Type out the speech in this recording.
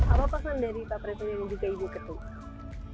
apa pesan dari pak presiden ke ibu ketua